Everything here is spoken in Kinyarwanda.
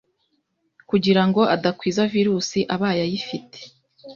kugira ngo adakwiza virus, abaye ayifite.